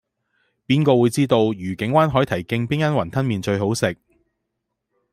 邊個會知道愉景灣海堤徑邊間雲吞麵最好食